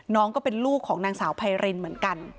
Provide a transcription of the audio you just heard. ก็เป็นลูกของนางสาวไพรินเหมือนกัน